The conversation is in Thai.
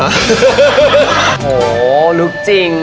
โอ้โหลุกจริง